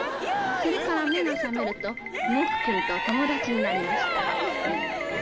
目が覚めると、モクくんと友達になりました。